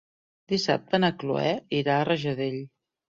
Dissabte na Cloè irà a Rajadell.